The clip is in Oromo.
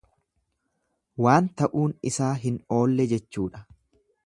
Waan ta'uun isaa hin oolle jechuudha.